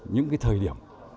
những cái thời điểm